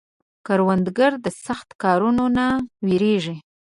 کروندګر د سخت کارونو نه نه وېرېږي